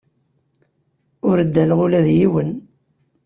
Ur ddaleɣ ula d yiwen.